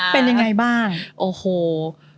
เป็นยังไงบ้าง